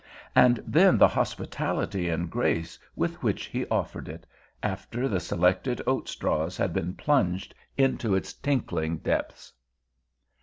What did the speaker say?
And then the hospitality and grace with which he offered it, after the selected oat straws had been plunged into its tinkling depths!